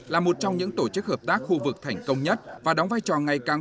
là một trong những tổ chức hợp tác khu vực thành công nhất và đóng vai trò ngày càng